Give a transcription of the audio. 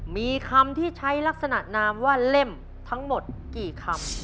มีคำที่ใช้ลักษณะนามว่าเล่มทั้งหมดกี่คำ